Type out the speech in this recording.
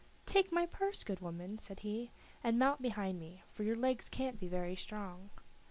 "Take my purse, good woman," said he, "and mount behind me, for your legs can't be very strong."